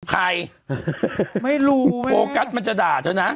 ใครไม่รู้แม่โฟกัสมันจะด่าเถอะนะเออ